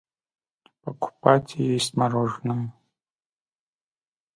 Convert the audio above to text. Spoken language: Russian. покупать и есть мороженое.